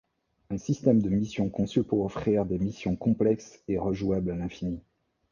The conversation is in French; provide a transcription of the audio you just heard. Un système de missions conçu pour offrir des missions complexes et re-jouables à l'infini.